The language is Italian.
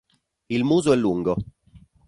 Il muso è lungo.